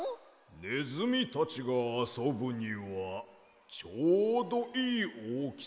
ねずみたちがあそぶにはちょうどいいおおきさだからな。